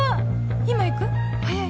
今行く？早い？